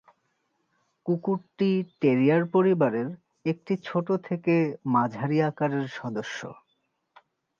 কুকুরটি টেরিয়ার পরিবারের একটি ছোট থেকে মাঝারি আকারের সদস্য।